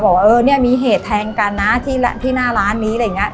บอกว่าเออเนี่ยมีเหตุแทงกันนะที่หน้าร้านนี้อะไรอย่างนี้